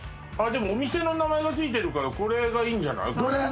でもお店の名前がついてるからこれがいいんじゃない？どれ？